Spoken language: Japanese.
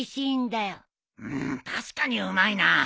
うん確かにうまいな。